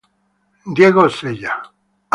Diego Osella